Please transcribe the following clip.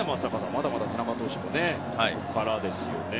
まだまだ田中投手もここからですよね。